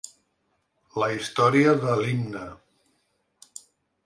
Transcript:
La història de l’himne.